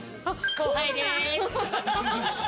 後輩です。